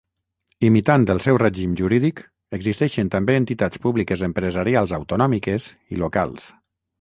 Imitant el seu règim jurídic, existeixen també entitats públiques empresarials autonòmiques i locals.